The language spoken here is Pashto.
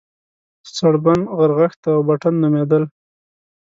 سړبن، غرغښت او بټن نومېدل.